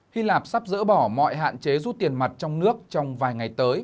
hy lạp sắp dỡ bỏ mọi hạn chế rút tiền mặt trong nước trong vài ngày tới